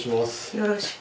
よろしく。